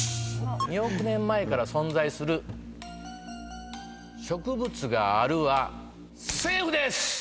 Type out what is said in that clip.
２億年前から存在する植物があるはセーフです！